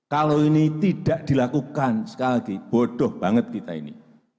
kalau ini tidak dilakukan sekali lagi bodoh banget kita ini